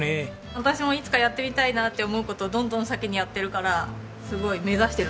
私もいつかやってみたいなって思う事をどんどん先にやってるからすごい目指してるところです。